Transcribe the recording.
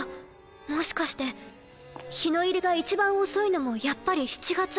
もしかして日の入りが一番遅いのもやっぱり７月。